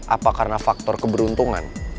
apa karena faktor keberuntungan